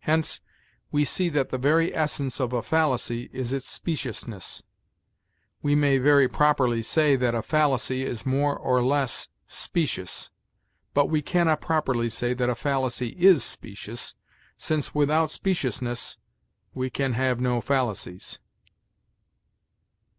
Hence we see that the very essence of a fallacy is its speciousness. We may very properly say that a fallacy is more or less specious, but we can not properly say that a fallacy is specious, since without speciousness we can have no fallacies.